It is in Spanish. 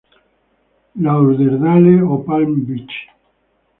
Lauderdale o Palm Beach.